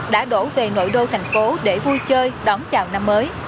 đã đổ về nội đô thành phố để vui chơi đón chào năm mới